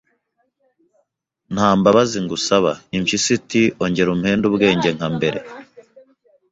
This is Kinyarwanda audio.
nta 'mbabazi ngusaba Impyisi iti ongera umpende ubwenge nka mbere